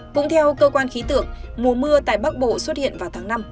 cũng theo cơ quan khí tượng mùa mưa tại bắc bộ xuất hiện vào tháng năm